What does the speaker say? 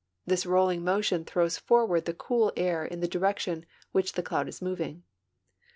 This rolling motion throws forward the cool air in the direction in which the cloud is moving.